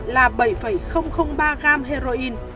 là bảy ba g heroin